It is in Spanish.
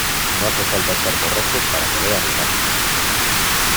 no hace falta estar borracho para querer arrimarse